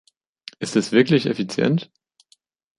Ist es wirklich effizient?